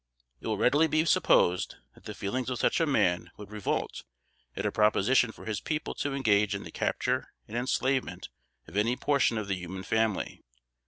It will readily be supposed, that the feelings of such a man would revolt at a proposition for his people to engage in the capture and enslavement of any portion of the human family.